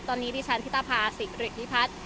ตอนนี้ที่ฉันที่ตาพาสิกฤทธิพัฒน์